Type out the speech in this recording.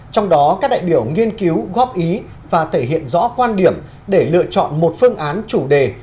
trong đó các đại biểu nghiên cứu góp ý và thể hiện rõ quan điểm để lựa chọn một phương án chủ đề